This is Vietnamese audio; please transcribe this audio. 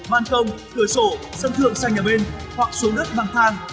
ban công cửa sổ sân thượng sang nhà bên hoặc xuống đất bằng thang